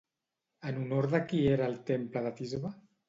En honor de qui era el temple de Tisbe?